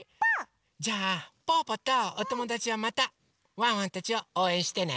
じゃあぽぅぽとおともだちはまたワンワンたちをおうえんしてね！